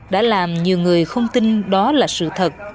đã làm nhiều người không tin đó là sự thật